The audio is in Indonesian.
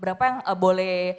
berapa yang boleh